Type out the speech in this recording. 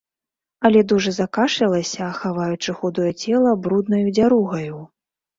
Але дужа закашлялася, хаваючы худое цела бруднаю дзяругаю.